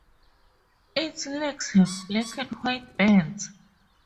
Its legs have black and white bands.